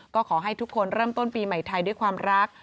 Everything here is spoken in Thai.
ก็ขอให้ทุกคนเริ่มต้นปีใหม่ไทยด้วยความรัก